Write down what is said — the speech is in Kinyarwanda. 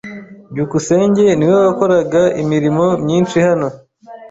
byukusenge niwe wakoraga imirimo myinshi hano.